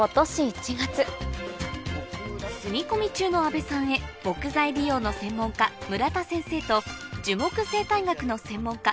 住み込み中の阿部さんへ木材利用の専門家村田先生と樹木生態学の専門家